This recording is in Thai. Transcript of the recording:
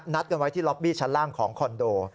กันไว้ที่ล็อบบี้ชั้นล่างของคอนโด